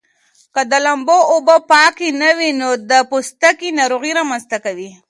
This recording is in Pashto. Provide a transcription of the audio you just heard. که د لامبو اوبه پاکې نه وي نو د پوستکي ناروغۍ رامنځته کوي.